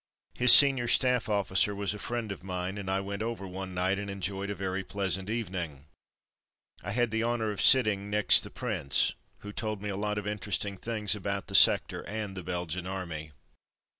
His senior staff officer was a friend of mine, and I went over one night and enjoyed a very pleasant evening. I had the honour of sitting next the Prince who told me a lot of interesting things about the sector and the Belgian Army.